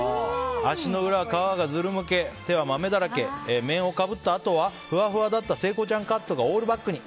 足の裏は皮がずるむけ手はまめだらけ面をかぶったあとはふわふわだった聖子ちゃんカットがオールバックに。